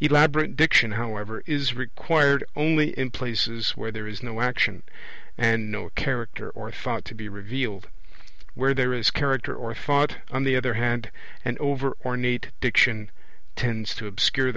Elaborate Diction, however, is required only in places where there is no action, and no Character or Thought to be revealed. Where there is Character or Thought, on the other hand, an over ornate Diction tends to obscure them. 25 As regards Problems a